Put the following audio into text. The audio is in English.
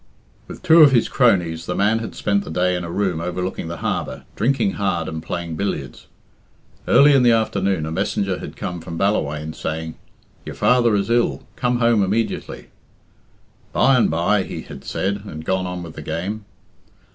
With two of his cronies the man had spent the day in a room overlooking the harbour, drinking hard and playing billiards. Early in the afternoon a messenger had come from Ballawhaine, saying, "Your father is ill come home immediately." "By and bye," he had said, and gone on with the game.